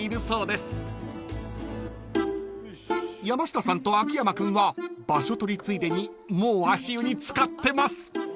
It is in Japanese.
［山下さんと秋山君は場所取りついでにもう足湯に漬かってます］